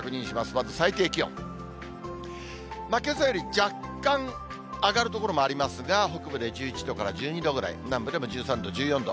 まず最低気温、けさより若干上がる所もありますが、北部で１１度から１２度ぐらい、南部でも１３度、１４度。